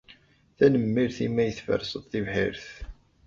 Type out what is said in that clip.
Tanemmirt imi ay tferseḍ tibḥirt.